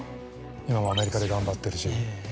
今もアメリカで頑張ってるし。